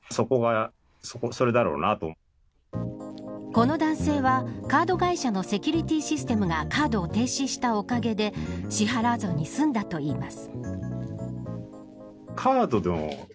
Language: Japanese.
この男性は、カード会社のセキュリティーシステムがカードを停止したおかげで支払わずに済んだといいます。